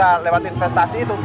yang tercipta lewat investasi itu